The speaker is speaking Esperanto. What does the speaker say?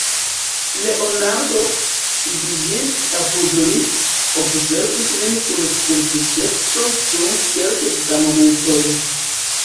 Leonardo, sidiĝinte apud li, observis lin kun kortuŝeco dum kelke da momentoj.